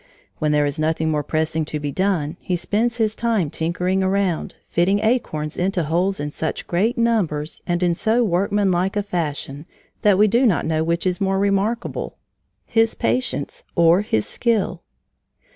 When there is nothing more pressing to be done, he spends his time tinkering around, fitting acorns into holes in such great numbers and in so workmanlike a fashion that we do not know which is more remarkable, his patience or his skill.